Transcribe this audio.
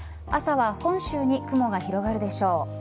朝は本州に雲が広がるでしょう。